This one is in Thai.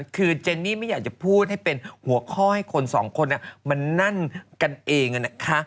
คือเจนนี่ไม่อยากจะพูดให้เป็นหัวข้อให้คนสองคนมันนั่นกันเองนะคะ